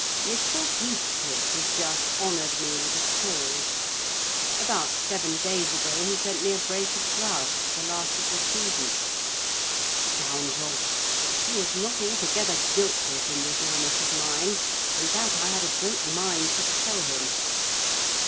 Mr. Heathcliff has just honoured me with a call. About seven days ago he sent me a brace of grouse—the last of the season. Scoundrel! He is not altogether guiltless in this illness of mine; and that I had a great mind to tell him.